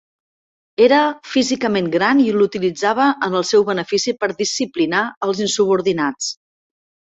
Era físicament gran i l'utilitzava en el seu benefici per disciplinar als insubordinats.